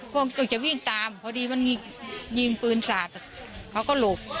พ่อจะวิ่งตามพอดีมันยิงยิงปืนสัตว์เขาก็หลบ